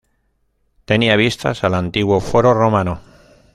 Tenía vistas al antiguo foro romano.